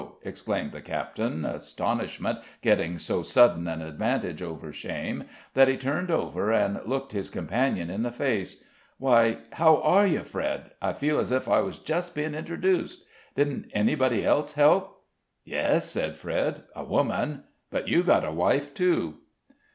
exclaimed the captain, astonishment getting so sudden an advantage over shame that he turned over and looked his companion in the face. "Why how are you, Fred? I feel as if I was just being introduced. Didn't anybody else help?" "Yes," said Fred, "a woman; but you've got a wife, too."